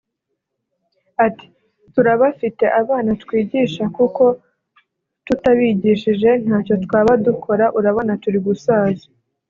Ati “ Turabafite abana twigisha kuko tutabigishije ntacyo twaba dukora urabona turi gusaza